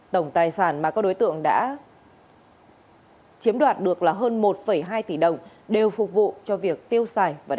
tổng tài sản mà các đối tượng đã chiếm đoạt được là hơn một hai tỷ đồng đều phục vụ cho việc tiêu xài